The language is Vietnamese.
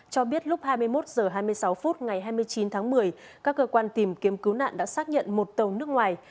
cho biết lúc hai mươi một h hai mươi sáu phút ngày hai mươi chín tháng một mươi các cơ quan tìm kiếm cứu nạn đã xác nhận một tàu nước ngoài